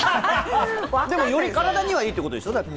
でも、より体にいいってことでしょ？